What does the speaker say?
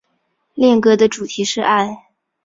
恋歌的主题是爱。